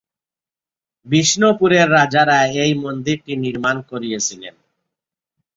বিষ্ণুপুরের রাজারা এই মন্দিরটি নির্মাণ করিয়েছিলেন।